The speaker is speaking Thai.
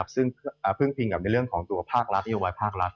ซึ่งพึ่งให้ปิงเพียงพากรัฐ